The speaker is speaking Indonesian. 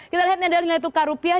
kita lihat nilai tukar rupiah